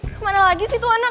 kemana lagi sih tuh anak